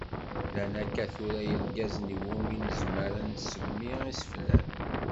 Llan akka tura yirgazen iwumi nezmer ad nsemmi iseflan.